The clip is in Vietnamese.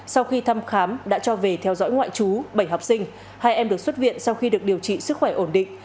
sau khi thăm khám đã cho về theo dõi ngoại trú bảy học sinh hai em được xuất viện sau khi được điều trị sức khỏe ổn định